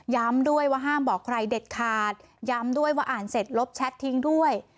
ด้วยว่าห้ามบอกใครเด็ดขาดย้ำด้วยว่าอ่านเสร็จลบแชททิ้งด้วย